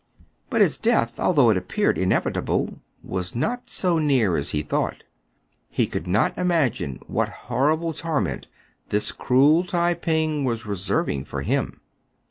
But his death, although it appeared inevitable, was not so near as he thought. He could not imagine what horrible torment this cruel Tai j)ing was reserving for him.